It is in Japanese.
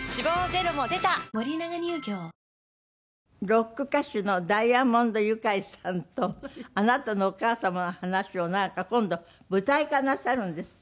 ロック歌手のダイアモンドユカイさんとあなたのお母様の話をなんか今度舞台化なさるんですって？